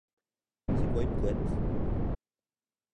C'est quoi une couette ?